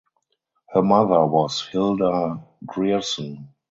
Her mother was Hilda Grierson.